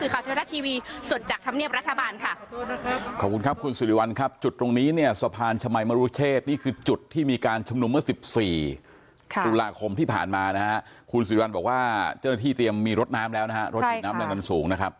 ขอบคุณครับคุณสิริวัลครับจุดตรงนี้เนี่ยสะพานชะมัยมรุชเชษนี่คือจุดที่มีการชำนุมเมื่อ๑๔ธุระคมที่ผ่านมานะครับคุณสิริวัลบอกว่าเจ้าหน้าที่เตรียมมีรถน้ำแล้วนะครับรถดินน้ำแรงดันสูงนะครับ